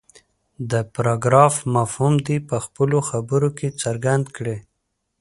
د پراګراف مفهوم دې په خپلو خبرو کې څرګند کړي.